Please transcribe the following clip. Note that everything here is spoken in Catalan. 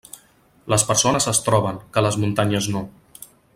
Les persones es troben, que les muntanyes no.